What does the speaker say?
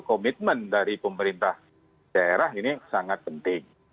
komitmen dari pemerintah daerah ini sangat penting